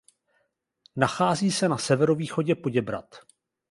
Nachází se na severovýchodě Poděbrad.